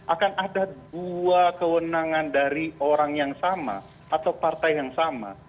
akan ada dua kewenangan dari orang yang sama atau partai yang sama